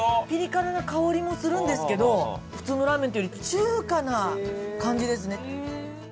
ピリ辛な香りもするんですけど普通のラーメンというより中華な感じですね。